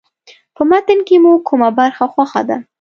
په متن کې مو کومه برخه خوښه ده.